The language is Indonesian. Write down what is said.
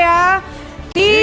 ya ini dia